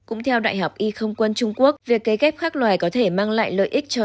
cũng theo đại học y không quân trung quốc việc cấy ghép các loài có thể mang lại lợi ích cho